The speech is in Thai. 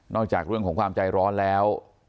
จากเรื่องของความใจร้อนแล้ว